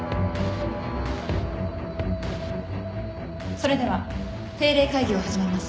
・それでは定例会議を始めます。